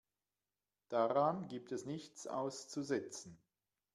Daran gibt es nichts auszusetzen.